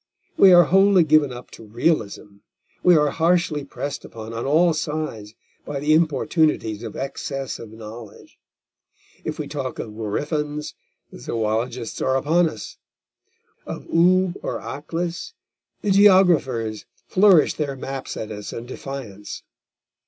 We are wholly given up to realism, we are harshly pressed upon on all sides by the importunities of excess of knowledge. If we talk of gryphons, the zoologists are upon us; of Oolb or Aklis, the geographers flourish their maps at us in defiance.